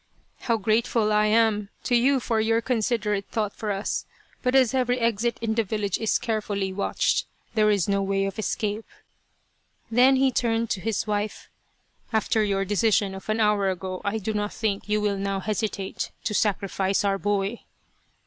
" How grateful I am to you for your considerate 192 Loyal, Even Unto Death thought for us, but as every exit in the village is care fully watched, there is no way of escape." Then he turned to his wife. " After your decision of an hour ago, I do not think you will now hesitate to sacrifice our boy."